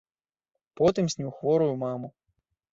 Потым сніў хворую маму.